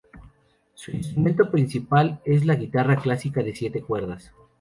Su instrumento principal es la guitarra clásica de siete cuerdas.